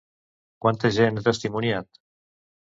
Quanta gent ha testimoniat?